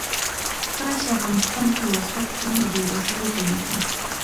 کله چې افغانستان کې ولسواکي وي بې وزلي کمیږي.